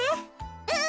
うん！